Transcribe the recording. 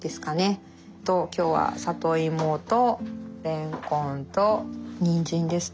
今日は里芋とれんこんとにんじんですね。